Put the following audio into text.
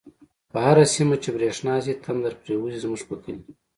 په هر سيمه چی بريښنا شی، تندر پر يوزی زموږ په کلی